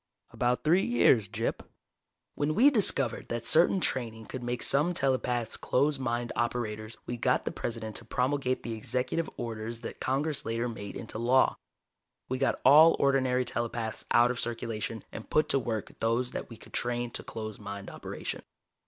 "About three years, Gyp. When we discovered that certain training could make some telepaths closed mind operators, we got the President to promulgate the Executive Orders that Congress later made into law. We got all ordinary telepaths out of circulation and put to work those that we could train to closed mind operation.